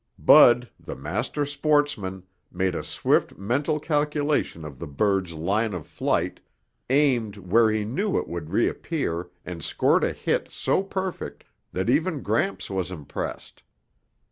Bud, the master sportsman, made a swift mental calculation of the bird's line of flight, aimed where he knew it would reappear and scored a hit so perfect that even Gramps was impressed.